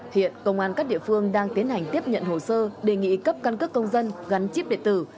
hiện công an các địa phương đang tiến hành tiếp nhận hồ sơ đề nghị cấp căn cước công dân gắn chip điện tử